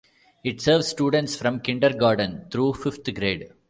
It serves students from Kindergarten through Fifth Grade.